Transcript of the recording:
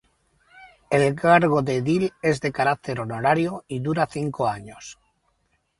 El cargo de edil es de carácter honorario y dura cinco años.